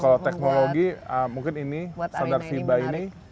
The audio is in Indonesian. kalau teknologi mungkin ini sodar fiba ini